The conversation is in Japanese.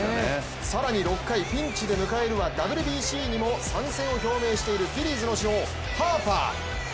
更に６回、ピンチで迎えるはＷＢＣにも参戦を表明しているフィリーズの主砲・ハーパー。